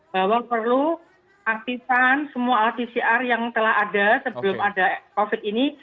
bahwa perlu aktifan semua alat pcr yang telah ada sebelum ada covid ini